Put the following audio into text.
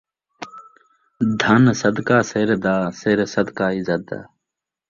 دھن صدقہ سر دا، سر صدقہ عزت دا